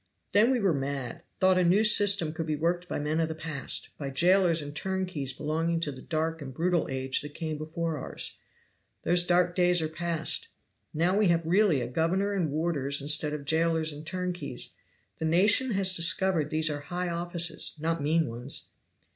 "Then we were mad thought a new system could be worked by men of the past, by jailers and turnkeys belonging to the dark and brutal age that came before ours. "Those dark days are passed. Now we have really a governor and warders instead of jailers and turnkeys. The nation has discovered these are high offices, not mean ones.